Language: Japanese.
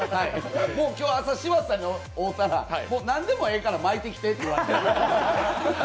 もう今日、朝、柴田さんに会うたら何でもいいから巻いてきてって言われて。